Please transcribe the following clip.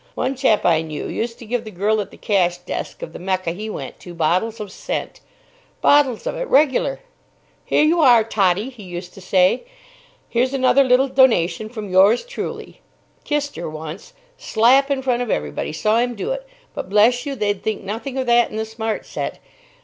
One chap I knew used to give the girl at the cash desk of the 'Mecca' he went to bottles of scent. Bottles of it—regular! 'Here you are, Tottie,' he used to say, 'here's another little donation from yours truly.' Kissed her once. Slap in front of everybody. Saw him do it. But, bless you, they'd think nothing of that in the Smart Set.